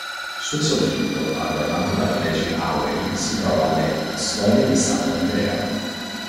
Sul soffitto, adornato da fregi aurei, si trovano le "Storie di Sant'Andrea".